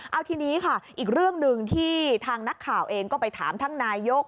เอาทีนี้ค่ะอีกเรื่องหนึ่งที่ทางนักข่าวเองก็ไปถามท่านนายก